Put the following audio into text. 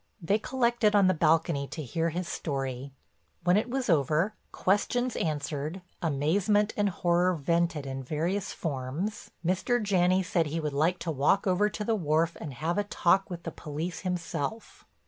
They collected on the balcony to hear his story. When it was over, questions answered, amazement and horror vented in various forms, Mr. Janney said he would like to walk over to the wharf and have a talk with the police himself.